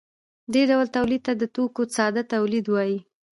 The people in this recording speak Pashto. دې ډول تولید ته د توکو ساده تولید وايي.